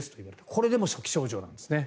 これでも初期症状ですね。